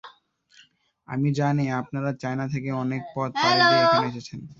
আমি জানি, আপনারা চায়না থেকে অনেক পথ পাড়ি দিয়ে এখানে এসেছেন।